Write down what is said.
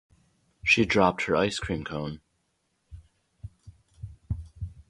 She dropped her ice cream cone.